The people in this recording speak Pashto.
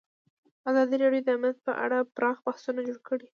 ازادي راډیو د امنیت په اړه پراخ بحثونه جوړ کړي.